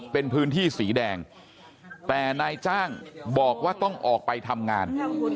เป็นพื้นที่สีแดงแต่นายจ้างบอกว่าต้องออกไปทำงาน